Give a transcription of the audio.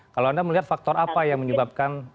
kalau anda melihat faktor apa yang menyebabkan